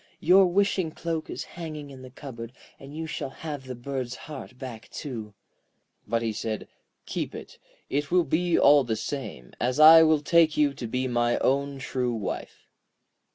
Your wishing cloak is hanging in the cupboard, and you shall have the bird's heart back too.' But he said: 'Keep it; it will be all the same, as I will take you to be my own true wife.'